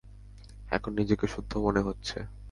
এখন নিজেকে শুদ্ধ মনে হচ্ছে।